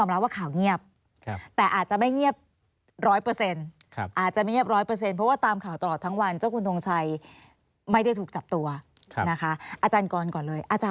ไม่ได้ถูกจับตัวอาจารย์กรก่อนเลย